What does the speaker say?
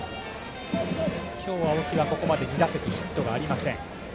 今日、青木はここまで２打席ヒットがありません。